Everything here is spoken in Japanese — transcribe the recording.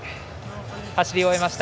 走り終えました。